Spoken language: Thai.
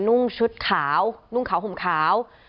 นุ่งชุดขาวนุ่งขาวห่มขาว